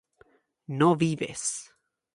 no vives